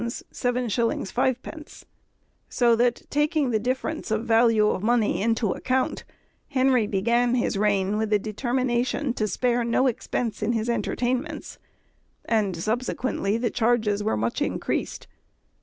_; so that, taking the difference of value of money into account, Henry began his reign with a determination to spare no expense in his entertainments, and subsequently the charges were much increased.